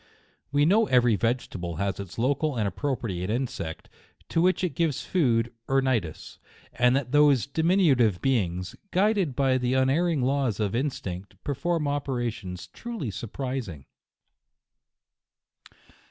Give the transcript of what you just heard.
We know every vegetable has its local and appropriate insect, to which it gives food or nidus, and that those diminu tive beings, guided by the unerring laws of instinct, perform operations truly surprising.